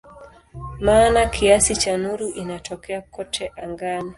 Maana kiasi cha nuru inatokea kote angani.